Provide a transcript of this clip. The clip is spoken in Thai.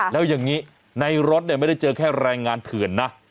แล้วยังงี้ในรถเนี่ยไม่ได้เจอแค่แรงงาญเถื่อนน่ะ